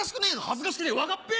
恥ずかしくねえ分かっぺ？